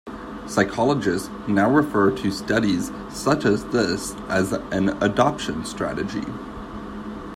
Psychologist now refer to studies such as this as an Adoption Strategy.